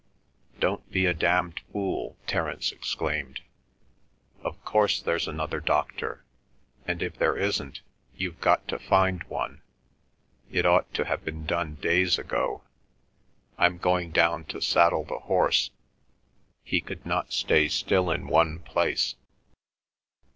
"Don't be a damned fool!" Terence exclaimed. "Of course there's another doctor, and, if there isn't, you've got to find one. It ought to have been done days ago. I'm going down to saddle the horse." He could not stay still in one place.